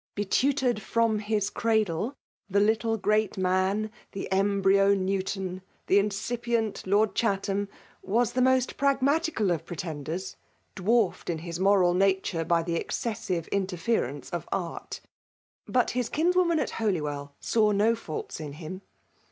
Be tutored from his cradle, the little great maxt the embryo Newton, the incipient Lord Chat ham, was the most pragmatical of pretenders ', dwarfed in liis moral nature by the exdeasfive interference of art. But his hiHswomnn at Holywell saw no faults in him.